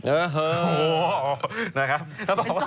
โอ้โฮนะครับถ้าบอกว่าเป็นสอ